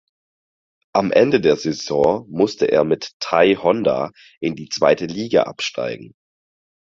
Am Ende der Saison musste er mit Thai Honda in die zweite Liga absteigen.